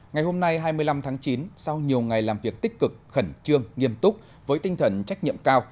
ngày hôm nay hai mươi năm tháng chín sau nhiều ngày làm việc tích cực khẩn trương nghiêm túc với tinh thần trách nhiệm cao